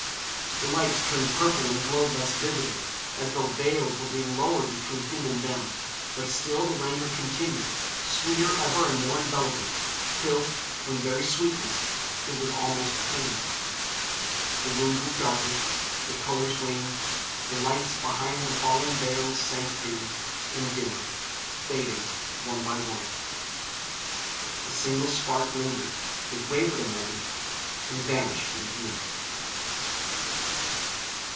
The lights turned purple and glowed less vividly, as though veils were being lowered between him and them. But still the languor continued, sweeter ever and more enveloping, till from very sweetness it was almost pain. The room grew darker, the colors waned, the lights behind the falling veils sank dim, and dimmer, fading, one by one; a single spark lingered, it wavered a moment, and vanished into night.